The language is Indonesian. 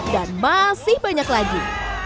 dan masih banyak lagi